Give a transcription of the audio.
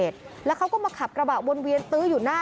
ใช่ค่ะเขาก็เริ่มแบบไม่พอใจ